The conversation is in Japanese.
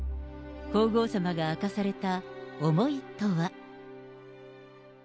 皇后さまが明かされた思いとは。